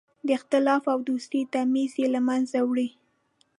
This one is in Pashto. د اختلاف او دوست تمیز یې له منځه وړی.